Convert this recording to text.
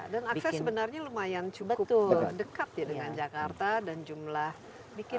dan akses sebenarnya lumayan cukup dekat ya dengan jakarta dan jumlah penerbangan